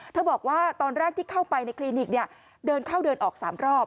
บอกว่าตอนแรกที่เข้าไปในคลินิกเดินเข้าเดินออก๓รอบ